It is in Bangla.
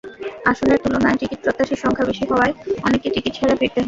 আসনের তুলনায় টিকিটপ্রত্যাশীর সংখ্যা বেশি হওয়ায় অনেককে টিকিট ছাড়া ফিরতে হয়।